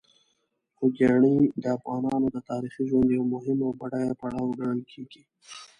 خوږیاڼي د افغانانو د تاریخي ژوند یو مهم او بډایه پړاو ګڼل کېږي.